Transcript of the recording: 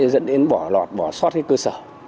dẫn đến bỏ lọt bỏ xót hết cơ sở